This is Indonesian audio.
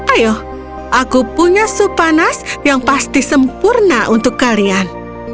ayo aku punya sup panas yang pasti sempurna untuk kalian